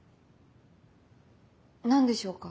何でしょうか？